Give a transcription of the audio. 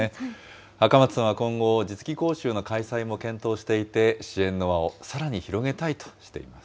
赤松さんは今後、実技講習の開催も検討していて、支援の輪をさらに広げたいとしています。